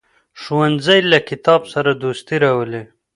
ښوونځی له کتاب سره دوستي راولي